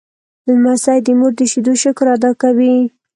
لمسی د مور د شیدو شکر ادا کوي.